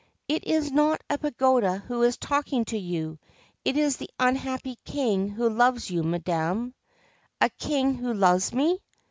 ' It is not a pagoda who is talking to you ; it is the unhappy King who loves you, madam/ 'A King who loves me!'